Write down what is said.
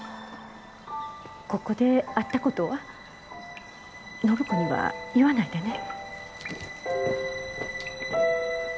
ここで会ったことは暢子には言わないでね。